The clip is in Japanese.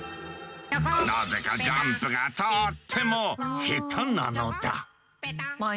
なぜかジャンプがとっても下手なのだ。